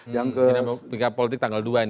dinamika politik tanggal dua an ya